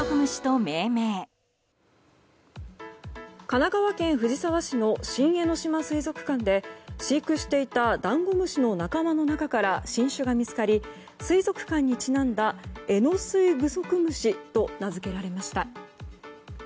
神奈川県藤沢市の新江ノ島水族館で飼育していたダンゴムシの仲間の中から新種が見つかり水族館にちなんだエノスイグソクムシと名づけられました。